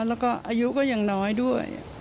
แล้วก็อายุก็ยังน้อยด้วย